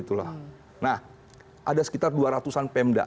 nah ada sekitar dua ratus an pemda